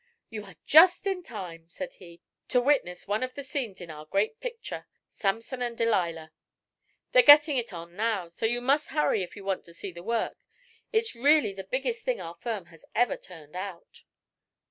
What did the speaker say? "You are just in time," said he, "to witness one of the scenes in our great picture, 'Samson and Delilah.' They're getting it on now, so you must hurry if you want to see the work. It's really the biggest thing our firm has ever turned out."